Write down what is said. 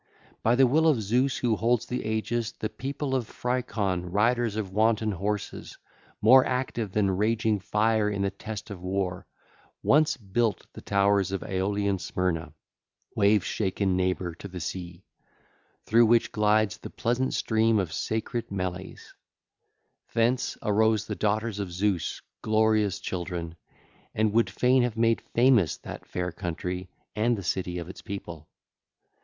By the will of Zeus who holds the aegis the people of Phricon, riders on wanton horses, more active than raging fire in the test of war, once built the towers of Aeolian Smyrna, wave shaken neighbour to the sea, through which glides the pleasant stream of sacred Meles; thence 2602 arose the daughters of Zeus, glorious children, and would fain have made famous that fair country and the city of its people.